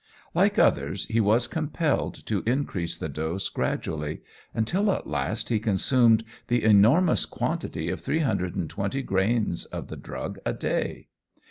Like others, he was compelled to increase the dose gradually, until at last he consumed the enormous quantity of 320 grains of the drug a day.